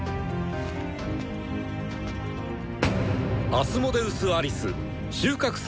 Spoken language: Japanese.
アスモデウス・アリス収穫祭